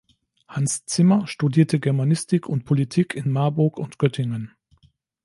Hans Zimmer studierte Germanistik und Politik in Marburg und Göttingen.